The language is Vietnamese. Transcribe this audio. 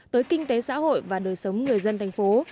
tới kinh tế xã hội và đời sống người dân thành phố